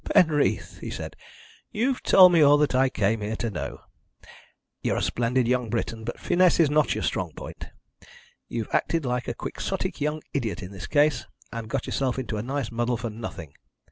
"Penreath," he said, "you've told me all that I came here to know. You're a splendid young Briton, but finesse is not your strong point. You've acted like a quixotic young idiot in this case, and got yourself into a nice muddle for nothing.